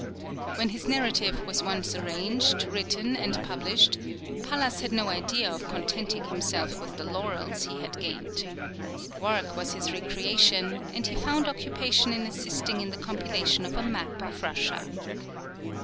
When his narrative was once arranged, written, and published, Pallas had no idea of contenting himself with the laurels he had gained. Work was his recreation, and he found occupation in assisting in the compilation of a map of Russia.